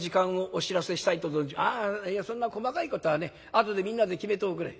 「あいやそんな細かいことはね後でみんなで決めておくれ」。